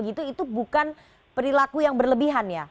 itu bukan perilaku yang berlebihan ya